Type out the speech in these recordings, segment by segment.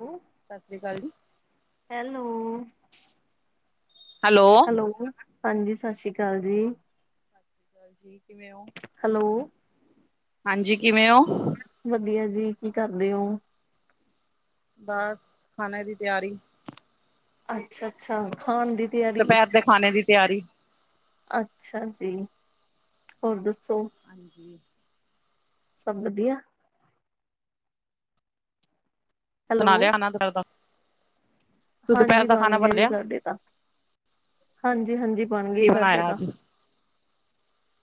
Hello, ਸਤਿ ਸ਼੍ਰੀ ਅਕਾਲ ਜੀ। ਹੈਲੋ, ਹੈਲੋ ਹਾਂਜੀ ਸਤਿ ਸ਼੍ਰੀ ਅਕਾਲ ਜੀ। ਹਾਂਜੀ ਕਿਵੇਂ ਹੋ? ਹੈਲੋ, ਹਾਂਜੀ ਕਿਵੇਂ ਓ? ਵਧੀਆ ਜੀ ਕੀ ਕਰਦੇ ਔ। ਬਸ, ਖਾਣਾ ਦੀ ਤਿਆਰੀ ਅੱਛਾ, ਅੱਛਾ ਖਾਣ ਦੀ ਤਿਆਰੀ ਦੁਪਹਿਰ ਦੇ ਖਾਣੇ ਦੀ ਤਿਆਰੀ ਅੱਛਾ ਜੀ, ਹੋਰ ਦੱਸੋ। ਹਾਂਜੀ ਸਭ ਵਧੀਆ। ਹੈਲੋ ਬਣਾ ਲਿਆ ਖਾਣਾ ਦਪਿਹਰ ਦਾ ਤੂੰ ਦੁਪਹਿਰ ਹਾਂਜੀ ਦਾ ਖਾਣਾ ਬਣ ਗਿਆ ਜੀ ਲਿਆ ਸਾਡੇ ਤਾਂ, ਹਾਂਜੀ, ਹਾਂਜੀ ਬਣ ਕੀ ਗਏ ਸਾਡੇ ਬਣਾਇਆ ਤਾਂ ਅੱਜ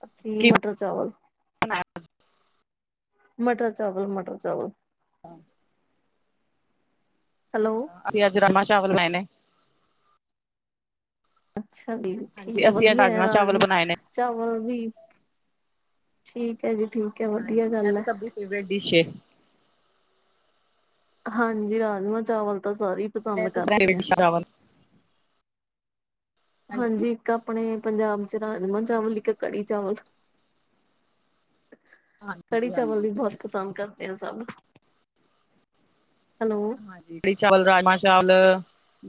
ਅੱਸੀਂ ਕੀ ਮਟਰ, ਚਾਵਲ ਬਣਾਇਆ ਅਜ ਮਟਰ ਚਾਵਲ, ਮਟਰ ਚਾਵਲ ਹਾਂ। ਹੈਲੋ ਅਸੀਂ ਅੱਜ ਰਾਜਮਾ ਚਾਵਲ ਬਣਾਏ ਨੇ। ਅੱਛਾ ਜੀ, ਹਾਂਜੀ ਠੀਕ ਅਸੀਂ ਅੱਜ ਵਧੀਆ ਆ ਚਾਵਲ ਰਾਜਮਾ ਬਣਾਏ ਨੇ। ਚਾਵਲ ਵੀ ਠੀਕ ਐ ਜੀ ਠੀਕ। ਹੈ ਵਧੀਆ ਹਾਂਜੀ, ਇਹ ਗੱਲ ਹੈ ਤਾਂ ਸਭ ਦੀ ਫੇਵਰੇਟ ਡਿਸ਼ ਐ। ਹਾਂਜੀ, ਰਾਜਮਾਂ ਚਾਵਲ ਤਾਂ ਸਾਰੇ ਪਸੰਦ ਕਰਦੇ ਆ ਡਿਸ਼ ਅ ਚਾਵਲ ਹਾਂਜੀ, ਇੱਕ ਆਪਣੇ ਪੰਜਾਬ ਚ ਰਾਜਮਾਂ ਚਾਵਲ ਇੱਕ ਕੜੀ ਚਾਵਲ। ਕੜੀ ਚਾਵਲ ਵੀ ਹਾਂਜੀ। ਬਹੁਤ ਪਸੰਦ ਕਰ ਦੇ ਸਭ, ਹੈਲੋ ਹਾਂਜੀ ਕੜ੍ਹੀ ਚਾਵਲ, ਰਾਜਮਾ ਚਾਵਲ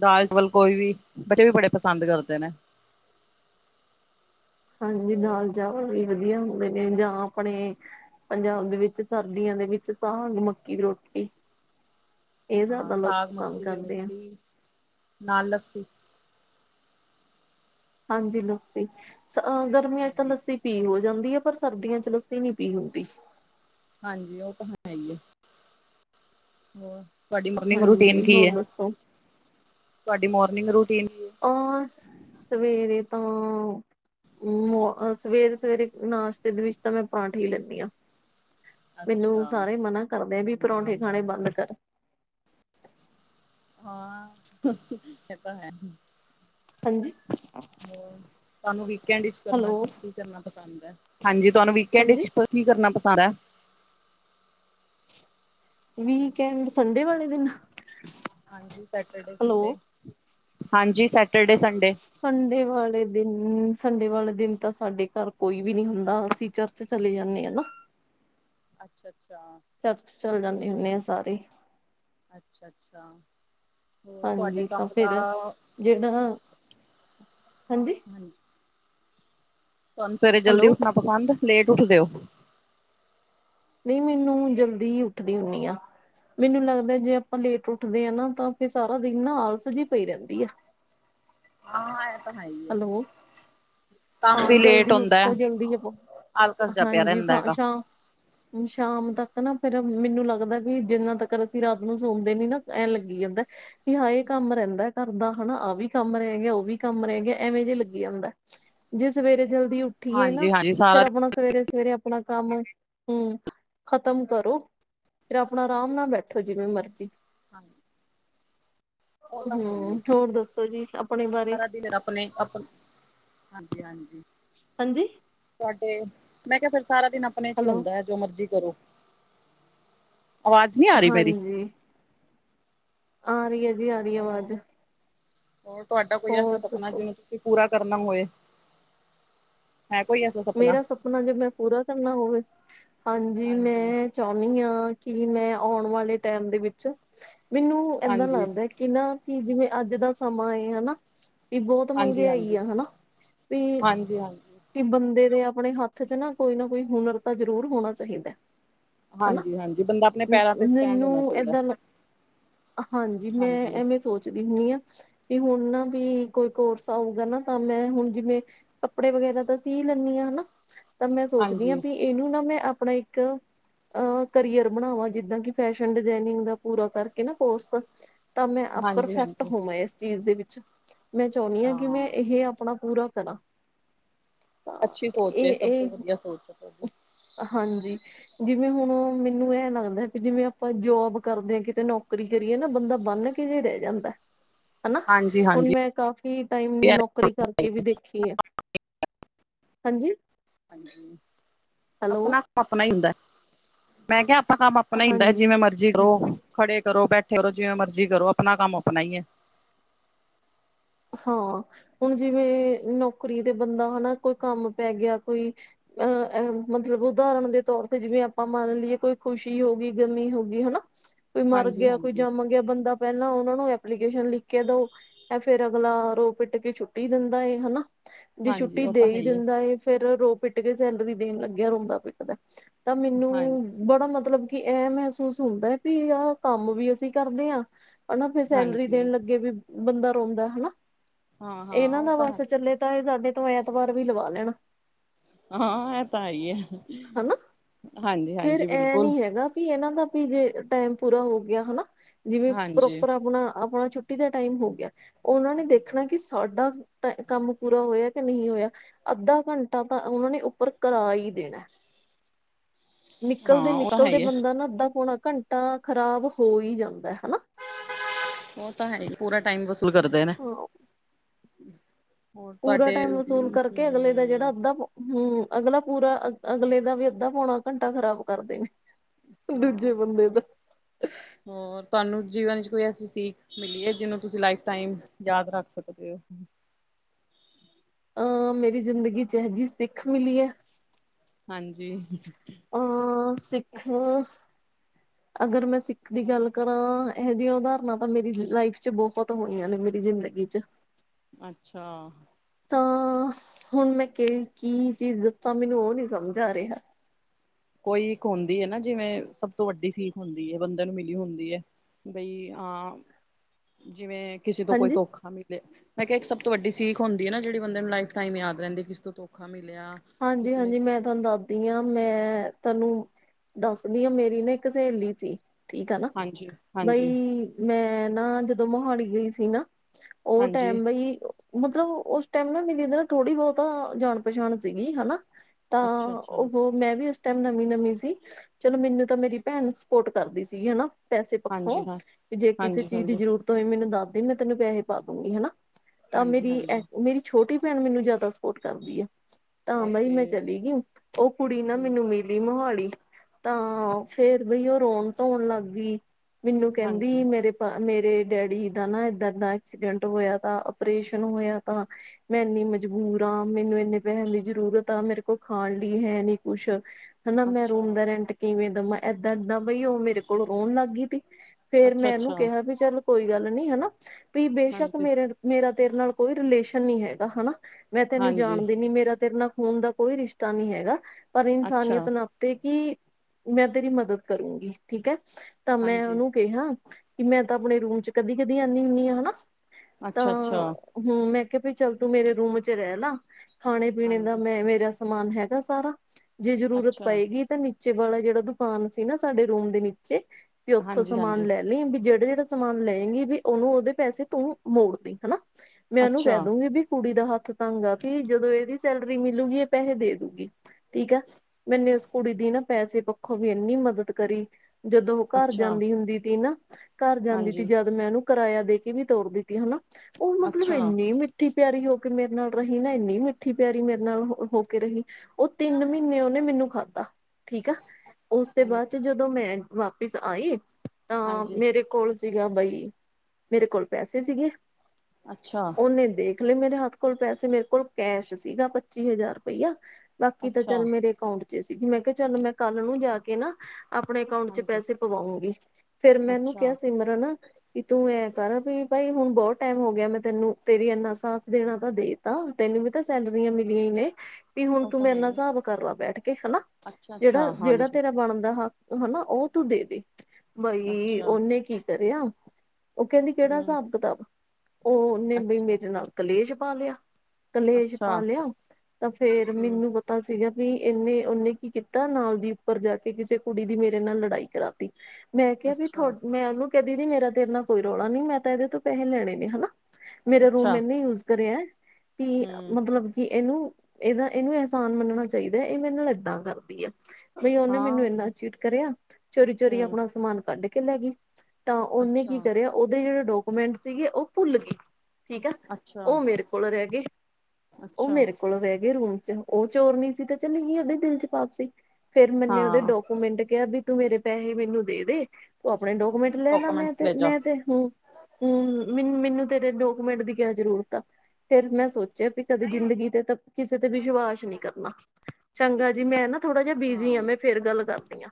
ਦਾਲ ਚਵਲ ਕੋਈ ਵੀ ਬੱਚੇ ਵੀ ਬੜੇ ਪਸੰਦ ਕਰਦੇ ਨੇ। ਹਾਂਜੀ, ਹੋਰ ਦਾਲ ਚਾਵਲ ਵੀ ਵਧੀਆ ਹੁੰਦੇ ਨੇ ਜਾਂ ਆਪਣੇ ਪੰਜਾਬ ਦੇ ਵਿੱਚ ਸਰਦੀਆਂ ਦੇ ਵਿੱਚ ਸਾਗ, ਮੱਕੀ ਦੀ ਰੋਟੀ। ਇਹ ਹਾਂ ਜ਼ਿਆਦਾ ਲੋਕ ਸਾਗ ਪਸੰਦ ਮੱਕੀ ਦੀ ਕਰਦੇ ਆ। ਰੋਟੀ ਨਾਲ ਲੱਸੀ। ਹਾਂਜੀ ਲੱਸੀ, ਅ ਗਰਮੀਆਂ ਚ ਤਾਂ ਹਾਂਜੀ ਲੱਸੀ ਪੀ ਹੋ ਜਾਂਦੀ ਐ। ਪਰ ਸਰਦੀਆਂ ਚ ਲੱਸੀ ਨੀ ਪੀ ਹੁੰਦੀ। ਹਾਂਜੀ, ਉਹ ਤਾਂ ਹੈ ਹੀ ਆ। ਹੋਰ ਤੁਹਾਡੀ ਮੋਰਨਿੰਗ ਰੂਟੀਨ ਹਾਂਜੀ ਕੀ ਹੋਰ ਐ, ਦੱਸੋ ਤੁਹਾਡੀ ਮੋਰਨਿੰਗ ਰੂਟੀਨ ਕੀ ਅਹ ਸਵੇਰੇ ਤਾਂ ਸਵੇਰੇ -ਸਵੇਰੇ ਨਾਸ਼ਤੇ ਦੇ ਵਿੱਚ ਤਾਂ ਮੈਂ ਪਰਾਂਠੇ ਈ ਲੈਂਨੀ ਆ। ਹੈ ਮੈਨੂੰ ਅੱਛਾ ਸਾਰੇ ਮਨਾ ਕਰਦੇ ਆ ਵੀ ਪਰੌਂਠੇ ਖਾਣੇ ਬੰਦ ਕਰ। ਹਾਂ, ਹੁਹ ਹੁ ਏ ਤਾਂ ਹੈ। ਹਾਂਜੀ, ਤਾਨੂੰ ਵੀਕਐਂਡ ਚ ਹੈਲੋ ਕਰਨਾ ਕੀ ਕਰਨਾ ਪਸੰਦ ਐ, ਹਾਂਜੀ ਤਾਨੂੰ ਵੀਕਐਂਡ ਹਾਂਜੀ ਚ ਕੀ ਕਰਨਾ ਪਸੰਦ ਐ। ਵੀਕਐਂਡ, ਸੰਡੇ ਵਾਲੇ ਦਿਨ ਹਾਂਜੀ ਸੈਟਰਡੇ, ਹੈਲੋ ਸੰਡੇ, ਹਾਂਜੀ ਸੈਟਰਡੇ, ਸੰਡੇ ਸੰਡੇ ਵਾਲੇ ਦਿਨ, ਸੰਡੇ ਵਾਲੇ ਦਿਨ ਤਾਂ ਸਾਡੇ ਘਰ ਕੋਈ ਵੀ ਨੀ ਹੁੰਦਾ। ਅਸੀਂ ਚਰਚ ਚਲੇ ਜਾਂਨੇ ਆ ਨਾ। ਅੱਛਾ, ਅੱਛਾ ਚਰਚ ਚੱਲ ਜਾਂਦੇ ਹੁੰਨੇ ਆ ਸਾਰੇ। ਅੱਛਾ-ਅੱਛਾ। ਤੁਹਾਡੇ ਹਾਂਜੀ ਤਾਂ ਕੰਮ ਫਿਰ ਦਾ, ਜਿਹੜਾ ਹਾਂਜੀ। ਤੁਹਾਨੂੰ ਸਵੇਰੇ ਜਲਦੀ ਹੈਲੋ ਉੱਠਣਾ ਪਸੰਦ, ਲੇਟ ਉੱਠਦੇ ਓ। ਨਹੀਂ ਮੈਨੂੰ ਜਲਦੀ ਹੀ ਉੱਠਦੀ ਹੁੰਨੀ ਆ। ਮੈਨੂੰ ਲੱਗਦਾ ਜੇ ਆਪਾਂ ਲੇਟ ਉੱਠਦੇ ਹ ਨਾ ਤਾਂ ਫਿਰ ਸਾਰਾ ਦਿਨ ਨਾ ਆਲਸ ਜੀ ਪਈ ਰਹਿੰਦੀ ਆ। ਹਾਂ ਇਹ ਤਾਂ ਹੈ ਹੀ ਐ। ਹੈਲੋ ਹਾਂ, ਜਲਦੀ ਉਠੋ ਜਲਦੀ, ਆਲਕਸ ਜਾ ਪਿਆ ਹਾਂਜੀ ਰਹਿੰਦਾ ਹੈਗਾ ਸ਼-ਸ਼ਾਮ। ਸ਼ਾਮ ਤੱਕ ਨਾ ਫੇਰ ਮੈਨੂੰ ਲੱਗਦਾ ਵੀ ਜਿੰਨਾ ਤੱਕ ਅਸੀਂ ਰਾਤ ਨੂੰ ਸੌਂਦੇ ਨੀ ਨਾ। ਐਂ ਲੱਗੀ ਜਾਂਦਾ ਵੀ ਹਾਂ ਇਹ ਕੰਮ ਰਹਿੰਦਾ ਕਾਰ ਦਾ, ਹਨਾ ਆਹ ਵੀ ਕੰਮ ਰਹਿ ਗਿਆ ਉਹ ਕੰਮ ਰਹਿ ਗਿਆ। ਐਵੇਂ ਜਏ ਲੱਗੀ ਜਾਂਦਾ ਐ, ਜੇ ਸਵੇਰੇ ਜਲਦੀ ਉਠੀਏ ਨਾ ਹਾਂਜੀ ਹਾਂਜੀ ਫੇਰ ਸਾਰਾ ਆਪਣਾ ਸਵੇਰੇ-ਸਵੇਰੇ ਅਪ ਆਪਣਾ ਕੰਮ, ਹੁੰ, ਖਤਮ ਕਰੋ। ਫੇਰ ਆਪਣਾ ਆਰਾਮ ਨਾਲ ਬੈਠੋ ਜਿਵੇਂ ਮਰਜ਼ੀ। ਹਾਂਜੀ। ਉਹ ਤਾਂ ਹੈ ਹੀ ਐ, ਹੂੰ ਹੋਰ ਦੱਸੋ ਜੀ ਆਪਣੇ ਬਾਰੇ ਸਾਰਾ ਦਿ ਫਿਰ ਆਪਣੇ ਆਪ, ਹਾਂਜੀ-ਹਾਂਜੀ। ਹਾਂਜੀ। ਤੁਹਾਡੇ, ਮੈਂ ਕਿਹਾ ਫੇਰ ਸਾਰਾ ਦਿਨ ਆਪਣੇ ਚ ਹੀ ਹੈਲੋ ਹੁੰਦਾ ਐ। ਜੋ ਮਰਜ਼ੀ ਕਰੋ, ਆਵਾਜ਼ ਨਹੀਂ ਆ ਰਹੀ ਮੇਰੀ? ਹਾਂਜੀ ਆ ਰਹੀ ਏ ਜੀ, ਆ ਰਹੀ ਏ ਹੋਰ ਆਵਾਜ਼। ਹੋਰ ਤੁਹਾਡਾ ਕੋਈ ਐਸਾ ਹੋਰ ਸੁਪਨਾ ਦੱਸੋ ਜਿਹਨੂੰ ਤੁਸੀਂ ਪੂਰਾ ਕਰਨਾ ਹੋਏ। ਹੈਂ ਕੋਈ ਐਸਾ ਸਪਨਾ? ਮੇਰਾ ਸਪਨਾ ਜੇ ਮੈਂ ਪੂਰਾ ਕਰਨਾ ਹੋਵੇ, ਹਾਂਜੀ ਮੈਂ ਚਾੳਨੀ ਆ ਕਿ ਮੈਂ ਆਉਣ ਵਾਲੇ ਟੇਮ ਦੇ ਵਿੱਚ, ਮੈਨੂੰ ਏਦਾਂ ਹਾਂਜੀ ਹਾਂਜੀ ਲੱਗਦੇ ਕਿ ਨਾ ਕਿ ਜਿਵੇਂ ਆੱਜ ਦਾ ਸਮਾਂ ਏ ਹਨਾ ਵੀ ਬੋਤ ਹਾਂਜੀ ਮੰਗੇਆਈ ਹਾਂਜੀ ਆ, ਹਨਾ ਵੀ ਹਾਂਜੀ ਕਿ ਬੰਦੇ ਦੇ ਆਪਣੇ ਹੱਥ ਚ ਨਾ ਕੋਈ ਨਾ ਕੋਈ ਹੁਨਰ ਤਾਂ ਜ਼ਰੂਰ ਹੋਣਾ ਚਾਹੀਦਾ ਐ। ਹਨਾ ਹਾਂਜੀ ਹਾਂਜੀ ਬੰਦਾ ਆਪਣੇ ਪੈਰਾਂ ਤੇ ਸਟੈਂਡ ਹੋਣਾ ਮੈਨੂੰ ਚਾਹੀਦਾ ਏਦਾਂ ਲਗ ਹਾਂਜੀ, ਮੈਂ ਐਵੇਂ ਸੋਚਦੀ ਹੁੰਣੀ ਆ। ਵੀ ਹੁਣ ਨਾ ਵੀ ਕੋਈ ਕੋਰਸ ਆਊਗਾ ਨਾ ਤਾਂ ਮੈਂ ਹੁਣ ਜਿਵੇਂ ਕੱਪੜੇ ਵਗੈਰਾ ਤਾਂ ਸੀ ਲੈਂਨੀ ਹਾਂ ਹਨਾ ਤਾਂ ਮੈਂ ਸੋਚਦੀ ਹਾਂ ਹਾਂਜੀ ਵੀ ਇਹਨੂੰ ਨਾ ਮੈਂ ਆਪਣਾ ਇੱਕ ਅ ਕਰੀਅਰ ਬਣਾਵਾਂ ਜਿਦਾਂ ਨਾ ਫੈਸ਼ਨ ਡਿਜਾਇਨਿੰਗ ਦਾ ਪੂਰਾ ਕਰਕੇ ਨਾ ਕੋਰਸ। ਤਾਂ ਮੈਂ ਆਪ ਹਾਂਜੀ ਪਰਫੈਕਟ ਹਾਂਜੀ ਹੋਵਾਂ ਏਸ ਚੀਜ਼ ਦੇ ਵਿੱਚ। ਮੈਂ ਚਾਹੁੰਨੀ ਹਾਂ ਕਿ ਮੈਂ ਇਹ ਆਪਣਾ ਪੂਰਾ ਕਰਾਂ। ਤਾਂ ਅੱਛੀ ਸੋਚ ਐ ਇਹ ਸਭ ਤੋਂ ਇਹ ਵਧੀਆ ਸੋਚ ਐ ਤੁਹਾਡੀ। ਹਾਂਜੀ। ਜਿਵੇਂ ਹੁਣ ਮੈਨੂੰ ਇਹ ਲੱਗਦਾ ਵੀ ਜਿਵੇਂ ਆਪਾਂ ਜੋਬ ਕਰਦੇ ਕਿਤੇ ਨੌਕਰੀ ਕਰੀਏ ਨਾ ਬੰਦਾ ਬੰਨ [unintelligible] ਰਹਿ ਜਾਂਦੈ। ਹਨਾ ਹੁਣ ਹਾਂਜੀ-ਹਾਂਜੀ ਮੈਂ ਕਾਫ਼ੀ ਟਾਈਮ ਨੌਕਰੀ ਕਰਕੇ ਵੀ ਦੇਖੀ ਏ। ਹਾਂਜੀ। ਹਾਂਜ਼ੀ, ਹੈਲੋ ਆਪਣਾ ਆਪਣਾ ਹੀ ਹੁੰਦਾ, ਮੈਂ ਕਿਹਾ ਆਪਣਾ ਕੰਮ ਆਪਣਾ ਈ ਹੁਨਦੈ ਹਦਾ ਹਾਂਜੀ ਜਿਵੇਂ ਮਰਜ਼ੀ ਕਰੋ ਖੜੇ ਕਰੋ, ਬੈਠੇ ਰਹੋ ਜਿਵੇਂ ਮਰਜ਼ੀ ਕਰੋ ਆਪਣਾ ਕੰਮ ਆਪਣਾ ਈ ਹੈ। ਹਾਂ ਹੁਣ ਜਿਵੇਂ ਨੌਕਰੀ ਤੇ ਬੰਦਾ ਹਨਾ ਕੋਈ ਕੰਮ ਪੈ ਗਿਆ ਕੋਈ। ਅਹ ਮਤਲਬ ਉਦਾਰਣ ਦੇ ਤੌਰ ਤੇ ਜਿਵੇਂ ਅਪਾਂ ਮਾਨ ਲਈਏ ਕੋਈ ਖੁਸ਼ੀ ਹੋ ਗਈ, ਗਮੀ ਹੋ ਗਈ ਹਨਾ। ਕੋਈ ਮਰ ਗਿਆ ਕੋਈ ਹਾਂਜੀ-ਹਾਂਜੀ ਹਾਂਜੀ ਜੰਮ ਗਿਆ, ਬੰਦਾ ਪਹਿਲਾਂ ਉਨਾਂ ਨੂੰ ਐਪਲੀਕੇਸ਼ਨ ਲਿਖ ਕੇ ਦੋ। ਫੇਰ ਅਗਲਾ ਰੋ, ਪਿੱਟ ਕੇ ਛੁੱਟੀ ਦਿੰਦਾ ਏ ਹਨਾ। ਜੇ ਹਾਂਜੀ ਛੁੱਟੀ ਉਹ ਤਾਂ ਹੈ ਦੇਈ ਹੀ ਹੈ ਦਿੰਦਾ ਫਿਰ ਰੋ। ਪਿੱਟ ਕੇ ਸੈਲਰੀ ਦੇਣ ਲੱਗਿਆ। ਰੋਂਦਾ-ਪਿੱਟਦਾ ਤਾਂ ਮੈਨੂੰ ਬੜਾ ਹਾਂਜੀ ਮਤਲਬ ਕਿ ਏਹ ਮਹਿਸੂਸ ਹੁੰਦਾ ਪੀ ਆਹ ਕੰਮ ਵੀ, ਅਸੀਂ ਕਰਦੇ ਹਾਂ। ਹਨਾ, ਫਿਰ ਸੈਲਰੀ ਹਾਂਜੀ ਦੇਣ ਲੱਗੇ ਵੀ, ਬੰਦਾ ਰੋਂਦੇ ਹਨਾ ਹਾਂ-ਹਾਂ ਇਹਨਾਂ ਉਹ ਦਾ ਤਾਂ ਹੈ ਵਸ ਚੱਲੇ। ਚਾਏ ਸਾਡੇ ਤੋਂ ਐਤਵਾਰ ਵੀ, ਲਵਾ ਲੈਣ। ਹਾਂ ਇਹ ਤਾਂ ਹੈ ਆ ਹਨਾ ਫੇਰ ਹਾਂਜੀ-ਹਾਂਜੀ ਐ ਬਿਲਕੁਲ ਨੀ ਹੈਗਾ ਵੀ ਇਹਨਾਂ ਦਾ ਵੀ, ਜੇ ਟਾਈਮ ਪੂਰਾ ਹੋ ਗਿਆ ਹਨਾ! ਜਿਵੇਂ ਹਾਂਜੀ ਪ੍ਰੋਪਰ ਆਪਣਾ-ਆਪਣਾ ਛੁੱਟੀ ਛੁੱਟੀ ਦਾ ਟਾਈਮ ਹੋ, ਗਿਆ। ਉਹਨਾਂ ਨੇ, ਦੇਖਣਾ ਕਿ ਸਾਡਾ ਕੰਮ ਪੂਰਾ ਹੋਇਆ ਕਿ ਨਹੀਂ ਹੋਇਆ! ਅੱਧਾ ਘੰਟਾ ਤਾਂ, ਉਹਨਾ ਨੇ, ਉੱਪਰ ਕਰਾ ਹੀ ਦੇਣਾ। ਹਾਂ ਉਹ ਤਾਂ ਹੈ ਨਿਕਲਦੇ-ਨਿਕਲਦੇ ਹੀ ਹੈ ਬੰਦਾ ਨਾ ਅੱਧਾ ਪੋਣਾ ਘੰਟਾ ਖ਼ਰਾਬ ਹੋ, ਹੀ ਜਾਂਦਾ ਹਨਾ। ਉਹ ਤਾਂ ਹੈ ਪੂਰਾ ਟਾਈਮ ਵਸੂਲ ਕਰਦੇ ਨੇ, ਹਾਂ, ਹੋਰ ਪੂਰਾ ਤੁਹਾਡੇ ਟਾਈਮ ਵਸੂਲ ਕਰਕੇ ਅਗਲੇ ਦਾ, ਜਿਹੜਾ ਹੂੰ ਅੱਧਾ ਹੂੰ, ਅਗਲਾ ਪੂਰਾ ਅ ਅਗਲੇ ਦਾ ਵੀ ਅੱਧਾ ਪਾਉਣਾ ਘੰਟਾ ਖ਼ਰਾਬ ਕਰਦੇ ਨੇ, ਦੂਜੇ ਬੰਦੇ ਦਾ ਔਰ ਤੁਹਾਨੂੰ ਜੀਵਨ ਚ, ਕੋਈ ਅਸੀਂ ਸੇਕ ਮਿਲੀ ਹੈ ਜਿਹਨੂੰ ਤੁਸੀਂ ਲਾਈਫ ਟਾਈਮ ਯਾਦ ਰੱਖ ਸਕਦੇ ਹੋ, ਅ ਮੇਰੀ ਜ਼ਿੰਦਗੀ ਚ, ਇਹੋ ਜਿਹੀ ਸਿੱਖ ਮਿਲੀ ਹੈ ਹਾਂਜੀ ਅਹ ਸਿੱਖੋ ਅਗਰ ਮੈਂ, ਸਿੱਖ ਦੀ ਗੱਲ ਕਰਾਂ ਇਹੋ ਜਿਹੀਆਂ ਉਦਾਹਰਨਾਂ ਤਾਂ ਮੇਰੀ ਲਾਈਫ ਚ, ਬਹੁਤ ਹੋਣੀਆਂ ਨੇ ਮੇਰੀ ਜ਼ਿੰਦਗੀ ਚ ਅੱਛਾ ਤਾਂ ਹੁਣ ਮੈਂ, ਕਿਹੜੀ ਕੀ ਚੀਜ਼ ਦਸਾਂ ਮੈਨੂੰ ਉਹ ਨੀ, ਸਮਝ ਆ ਰਿਹਾ। ਕੋਈ ਇੱਕ ਹੁੰਦੀ ਹੈ ਨਾ। ਜਿਵੇਂ ਸਭ ਤੋਂ, ਵੱਡੀ ਸੀਖ ਹੁੰਦੀ ਹੈ ਬੰਦਿਆਂ ਨੂੰ ਮਿਲੀ ਹੁੰਦੀ ਹੈ। ਬਈ ਹਾਂ ਜਿਵੇਂ ਕਿਸੇ ਤੋਂ, ਕੋਈ ਹਾਂਜੀ ਧੋਖਾ ਮਿਲੇ ਮੈਂ ਕਿਹਾ ਇੱਕ ਸਭ ਤੋਂ ਵੱਡੀ ਸੀਖ ਹੁੰਦੀ। ਆ ਨਾ ਜਿਹੜੀ ਬੰਦੇ ਨੂੰ ਲਾਈਫ ਟਾਈਮ ਯਾਦ ਰਹਿੰਦੀ ਕਿਸ ਤੋਂ, ਧੋਖਾ ਮਿਲਿਆ! ਕਿਸੇ ਨੇ ਹਾਂਜੀ-ਹਾਂਜੀ ਮੈਂ ਤੁਹਾਨੂੰ ਦੱਸਦੀ ਹ ਮੈਂ, ਤੁਹਾਨੂੰ ਦੱਸਦੀ ਹ ਮੇਰੀ ਨਾ, ਇੱਕ ਸਹੇਲੀ ਸੀ! ਠੀਕ ਆ ਨਾ ਹਾਂਜੀ ਬਈ ਹਾਂਜੀ ਮੈਂ, ਨਾ ਜਦੋਂ ਮੋਹਾਲੀ ਗਈ ਸੀ। ਨਾ ਉਹ ਹਾਂਜੀ ਟਾਈਮ ਬਈ ਮਤਲਬ ਉਸ ਟਾਈਮ ਨਾ, ਮੇਰੀ ਇਹਦੇ ਨਾਲ ਥੋੜੀ ਬਹੁਤੀ ਜਾਣ ਪਛਾਣ ਸੀਗੀ ਹਨਾ! ਤਾਂ ਅੱਛਾ ਅੱਛਾ ਉਹ ਮੈਂ, ਵੀ ਉਸ ਟਾਈਮ ਨਵੀਂ-ਨਵੀਂ ਸੀ! ਚਲੋ ਮੈਨੂੰ ਤਾਂ ਮੇਰੀ ਭੈਣ ਸਪੋਰਟ ਕਰਦੀ ਸੀ ਹਨਾ। ਪੈਸੇ ਹਾਂਜੀ ਪੱਖੋਂ ਹਾਂ ਜੇ, ਕਿਸੇ ਹਾਂਜੀ ਚੀਜ਼ ਦੀ ਹਾਂਜੀ ਜ਼ਰੂਰਤ ਹੋਏ। ਮੈਨੂੰ ਦੱਸ ਦੇ ਮੈਂ, ਤੈਨੂੰ ਪੈਸੇ ਪਾ ਦੂਗੀ ਹਨਾ! ਤਾਂ ਹਾਂਜੀ ਮੇਰੀ, ਹਾਂਜੀ ਮੇਰੀ ਛੋਟੀ ਭੈਣ ਮੈਨੂੰ ਜ਼ਿਆਦਾ ਸਪੋਟ ਕਰਦੀ ਆ ਤਾਂ ਬਈ ਮੈਂ, ਓਕੇ ਚਲੀ ਗਈ ਉਹ ਕੁੜੀ ਨਾ ਹਮ ਮੈਨੂੰ ਉਮੀਦ ਮੋਹਾਲੀ ਤਾਂ ਫੇਰ ਬਈ ਉਹ ਰੋਣ, ਧੋਣ ਲੱਗ ਗਈ ਮੈਨੂੰ ਕਹਿੰਦੀ ਹਾਂਜੀ ਮੇਰੇ ਮੇਰੇ ਡੈਡੀ ਦਾ, ਨਾ ਏਦਾਂ ਦਾਂ ਐਕਸੀਡੈਂਟ ਹੋਇਆ ਤਾ ਆਪ੍ਰੇਸ਼ਨ ਹੋਇਆ ਤਾ ਮੈਂ, ਇੰਨੀ ਮਜਬੂਰ ਹਾਂ ਮੈਨੂੰ ਇੰਨੇ ਪੈਸੇ ਦੇ, ਜ਼ਰੂਰਤ ਆ ਮੇਰੇ ਕੋਲ ਖਾਣ ਲਈ ਹੈ। ਨੀ ਕੁਛ ਹਨਾ ਮੈਂ ਰੂਮ ਅੱਛਾ ਦਾ ਰੈਂਟ ਕਿਵੇਂ ਦੇਵਾਂ! ਏਦਾਂ-ਏਦਾਂ ਬਈ ਉਹ ਮੇਰੇ ਕੋਲ ਰੋਣ ਲੱਗ ਗਈ ਸੀ! ਫੇਰ ਅੱਛਾ ਮੈਂ ਇਹਨੂੰ ਅੱਛਾ ਕਿਹਾ ਵੀ ਚੱਲ ਕੋਈ ਗੱਲ ਨੀ, ਹਨਾ ਵੀ, ਬੇਸ਼ੱਕ ਹਾਂਜੀ, ਮੇਰੇ ਮੇਰਾ ਤੇਰੇ ਨਾਲ ਕੋਈ ਰਿਲੇਸ਼ਨ ਨੀ ਹੈਗਾ ਹਨਾ! ਮੈਂ ਤੈਨੂੰ ਹਾਂਜੀ, ਜਾਣਦੀ ਨਹੀਂ ਮੇਰਾ ਤੇਰੇ ਨਾਲ ਖੂਨ ਦਾ ਕੋਈ ਰਿਸ਼ਤਾ ਨੀ ਹੈਗਾ! ਪਰ ਅੱਛਾ, ਇਨਸਾਨੀਅਤ ਨਾਤੇ ਤੇ ਕੀ ਮੈਂ, ਤੇਰੀ ਮਦਦ ਕਰੂੰਗੀ। ਠੀਕ ਹੈ ਤਾਂ ਮੈਂ ਹਾਂਜੀ, ਉਹਨੂੰ ਹਾਂ ਕਿ ਮੈਂ, ਤਾਂ ਆਪਣੇ ਰੂਮ ਚ, ਕਦੀ-ਕਦੀ ਆਉਦੀ ਹੁੰਦੀ ਹ ਹਨਾ ਤਾਂ, ਅੱਛਾ, ਅੱਛਾ, ਹੂੰ ਮੈਂ ਕੇਆ ਬਈ ਚੱਲ ਤੂੰ ਮੇਰੇ ਰੂਮ ਵਿੱਚ ਰੈਲਾ ਖਾਣੇ-ਪੀਣੇ ਦਾ ਹਾਂਜੀ, ਮੈਂ ਮੇਰਾ ਸਮਾਨ ਹੈਗਾ ਸਾਰਾ, ਜੇ ਜਰੂਰਤ ਅੱਛਾ, ਪਏਗੀ ਨੀਚੇ ਵਾਲਾ ਜੇੜਾ ਦੁਕਾਨ ਸੀ ਨਾ ਸਾਡੇ ਰੂਮ ਦੇ ਨੀਚੇ ਵੀ ਓਥੋਂ ਹਾਂਜੀ, ਹਾਂਜੀ, ਸਮਾਨ ਲੈ ਵੀ ਜੇੜਾ-ਜੇੜਾ ਸਮਾਨ ਲਏਗੀ ਵੀ ਉਨੂੰ ਓਦੇ ਪੈਸੇ ਤੂੰ ਮੋੜਦੀ ਹਨਾ ਮੈਂ ਓਨੂੰ ਅੱਛਾ, ਕੈਅ ਦੂੰਗੀ ਵੀ ਕੁੜੀ ਦਾ ਹੱਥ ਤੰਗ ਆ ਕੀ ਜਦੋਂ ਏਦੀ ਸੈਲਰੀ ਮਿਲੂਗੀ ਏ ਪੈਹੇ ਦੇ ਦੂਗੀ ਠੀਕ ਐ ਮੈਨੇ ਏਸ ਕੁੜੀ ਦੀ ਨਾ ਪੈਸੇ ਪੱਖੋਂ ਵੀ ਏਨੀ ਮਦਦ ਕਰੀ ਜਦੋਂ ਓ ਘਰ ਅੱਛਾ, ਜਾਂਦੀ ਹੁੰਦੀ ਟੀ ਨਾ ਘਰ ਜਾਂਦੀ ਟੀ ਹਾਂਜੀ, ਜਦ ਮੈਂ ਓਨੂੰ ਕਰਾਯਾ ਦੇ ਕੇ ਵੀ ਤੋੜ ਦਿੱਤੀ ਹੈਨਾ ਓ ਮਤਲਬ ਅੱਛਾ, ਏਨੀ ਮਿੱਠੀ ਮਿੱਠੀ ਪਿਆਰੀ ਹੋ ਕੇ ਮੇਰੇ ਨਾਲ ਰਹੀ ਨਾ ਏਨੀ ਮਿੱਠੀ ਪਿਆਰੀ ਮੇਰੇ ਨਾਲ ਹੋ ਅ ਕੇ ਰਹੀ ਓ ਤੇਨ ਮੀਨੇ ਓਨੇ ਮੈਨੂੰ ਖਾਧਾ ਠੀਕ ਆ ਉਸਦੇ ਬਾਦ ਚ ਜਦੋਂ ਮੈਂ ਵਾਪਿਸ ਆਈ ਤਾਂ ਹਾਂਜੀ, ਮੇਰੇ ਕੋਲ ਸੀਗਾ ਬਾਈ ਮੇਰੇ ਕੋਲ ਪੈਸੇ ਸੀਗੇ ਅੱਛਾ, ਓਨੇ ਦੇਖ ਹਲੇ ਮੇਰੇ ਹੱਥ ਕੋਲ ਪੈਸੇ ਮੇਰੇ ਕੋਲ ਕੈਸ਼ ਸੀਗਾ ਪੱਚੀ ਹਜ਼ਾਰ ਰੁਪਈਆ ਬਾਕੀ ਤਾਂ ਅੱਛਾ, ਚੱਲ ਮੇਰੇ ਅਕਾਊਂਟ ਚ ਸੀ ਵੀ, ਮੈਂ ਕਿਹਾ ਚਲ ਮੈਂ ਕੱਲ ਨੂੰ ਜਾ ਕੇ ਨਾ। ਆਪਣੇ ਅਕਾਊਂਟ ਚ ਹਾਂਜੀ, ਪੈਸੇ ਪਵਾਉਂਗੀ ਫੇਰ ਮੈਨੂੰ ਕੈਆ ਅੱਛਾ। ਸੀਮਤ ਹੈਨਾ ਵੀ ਤੂੰ ਐਂ ਕਰ ਵੀ ਭਈ ਹੁਣ ਬੋਤ ਟੈਮ ਹੋ ਗਿਆ ਮੈਂ ਤੈਨੂੰ ਤੇਰੀ ਏਨਾ ਸਾਥ ਦੇਣਾ ਤਾਂ ਦੇਤਾ ਤੈਨੂੰ ਵੀ ਤਾਂ ਸੈਲਰੀਆਂ ਮਿਲੀਆਂ ਨੀ ਨੇ। ਵੀ ਹੁਣ ਉਹ ਤੂੰ ਤਾਂ ਮੇਰੇ ਹੈ ਨਾਲ ਹੀ ਆ, ਸਾਬ ਕਰ ਲਾ ਬੈਠ ਕੇ ਹੈਨਾ ਅੱਛਾ, ਅੱਛਾ, ਜੇੜਾ-ਜੇੜਾ ਹਾਂਜੀ, ਤੇਰਾ ਬਣਦਾ ਹੱਕ ਹਨਾ ਓ ਤੂੰ ਦੇ-ਦੇ ਬਈ ਉਹ ਅੱਛਾ, ਓਨੇ ਕੀ ਕਰੇਯਾ ਓ ਕੇਂਦੀ ਕੇੜਾ ਹੂੰ, ਸਾਬ ਕਤਾਬ, ਓਨੇ ਬਈ ਅੱਛਾ, ਮੇਰੇ ਨਾਲ ਕਲੇਸ਼ ਪਾ ਲਿਆ ਕਲੇਸ਼ ਪਾ ਅੱਛਾ, ਲਿਆ ਤਾਂ ਫੇਰ ਹੂੰ, ਮੈਨੂੰ ਤਾ ਸੀਗਾ ਵੀ ਏਨੇ ਓਨੇ ਕੀ ਕੀਤਾ ਨਾਲ ਦੀ ਉੱਪਰ ਜਾ ਕੇ ਕਿਸੇ ਕੁੜੀ ਦੀ ਮੇਰੇ ਨਾਲ ਲੜਾਈ ਕਰਾਤੀ ਮੈਂ ਕੈਆ ਵੀ ਅੱਛਾ, ਤੁਹ ਮੈਂ ਓਨੂੰ ਕੈਆ ਦੀਦੀ ਮੇਰਾ ਤੇ ਏਨਾ ਕੋਈ ਰੌਲਾ ਨੀ ਮੈਂ ਤਾਂ ਏਦੇ ਤੋਂ ਪੈਹੇ ਲੈਣੇ ਨੇ ਹਨਾ। ਮੇਰਾ ਰੂਮ ਅੱਛਾ, ਏਨੇ ਯੂਜ ਕਰੇਆ ਕਿ ਹੂੰ, ਮਤਲਬ ਕਿ ਏਨੂੰ ਏਦਾ ਏਨੂੰ ਅਹਿਸਾਨ ਮੰਨਣਾ ਚਾਈਦਾ ਏ ਮੇਰੇ ਨਾਲ ਏਦਾਂ ਕਰਦੀ ਆ ਬਈ ਓਨੇ ਮੈਨੂੰ ਹਾਂ, ਏਨਾ ਚੀਟ ਕਰੇਆ‌ ਚੋਰੀ-ਚੋਰੀ ਹੂੰ, ਅਪਣਾ ਸਮਾਨ ਕੱਢ ਕੇ ਲੈਗੀ ਤਾਂ ਓਨੇ ਅੱਛਾ, ਕੀ ਕਰੇਆ ਓਦੇ ਜਿੜੇ ਡਾਕੂਮੈਂਟ ਸੀਗੇ ਓ ਭੁੱਲਗੀ। ਠੀਕ ਆ ਅੱਛਾ, ਓ ਮੇਰੇ ਕੋਲ ਰੈ ਗਏ। ਓ ਅੱਛਾ, ਮੇਰੇ ਕੋਲੋਂ ਐ ਗਏ ਰੂਮ ਚ ਓ ਚੋਰਨੀ ਸੀ ਤੇ ਚੱਲਗੀ ਓਦੇ ਦਿਲ ਚ ਪਾਪ ਸੀ। ਫੇਰ ਮੈਨੇ ਓਦੇ ਹਾਂ, ਡਾਕੂਮੈਂਟ ਕੈਆ ਵੀ ਤੂੰ ਮੇਰੇ ਪੈਹੇ ਮੈਨੂੰ ਦੇਦੇ ਤੂੰ ਅਪਣੇ ਡਾਕੂਮੈਂਟ ਲੈ ਲਾ ਮੈਂ ਡਾਕੂਮੈਂਟਸ ਤੇ ਲੈ ਜਾ, ਮੈਂ ਤੇ ਹੂੰ ਹੂੰ ਮਿਨੂੰ-ਮਿਨੂੰ ਤੇਰੇ ਡੋਕੂਮੈਂਟ ਦੀ ਕਯਾ ਜ਼ਰੂਰਤ ਆ ਫੇਰ ਸੋਚਿਆ‌ ਵੀ ਕਦੇ ਜ਼ਿੰਦਗੀ ਤੇ ਤਾਂ ਕਿਸੇ ਤੇ ਵਿਸ਼ਵਾਸ ਕੁਛ ਨੀ ਕਰਨਾ ਚੰਗਾ ਜੀ ਮੈਂ ਨਾ ਥੋੜਾ ਜੇਆ ਹਾਂ। ਬਿਜ਼ੀ ਆ ਮੈਂ ਫੇਰ ਗੱਲ ਕਰਦੀ ਆ।